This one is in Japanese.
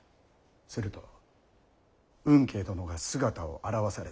すると吽慶殿が姿を現された。